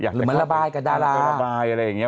เหมือนระบายกับดาราระบายอะไรอย่างนี้